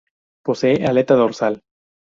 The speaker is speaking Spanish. Posee aleta dorsal.